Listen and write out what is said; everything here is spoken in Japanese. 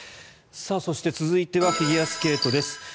そして、続いてはフィギュアスケートです。